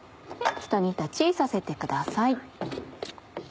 ひと煮立ちさせてください。